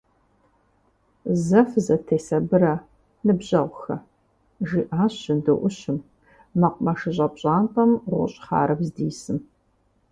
Зэ фызэтесабырэ, ныбжьэгъухэ! – жиӀащ жьынду Ӏущым, мэкъумэшыщӀэ пщӀантӀэм гъущӀ хъарым здисым.